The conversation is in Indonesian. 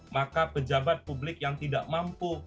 maka pejabat publik yang tidak mampu